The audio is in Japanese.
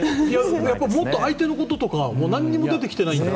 もっと相手のこととか何も出てきてないんだ。